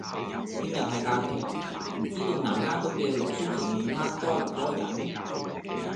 聽日係假期，唔知道南丫島嘅蘆鬚城泳灘多唔多人？